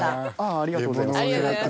ありがとうございます。